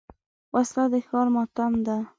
وسله د ښار ماتم ده